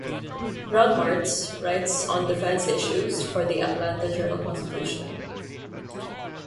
Ron Martz writes on defense issues for the Atlanta Journal-Constitution.